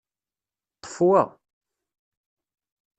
Ṭṭef wa!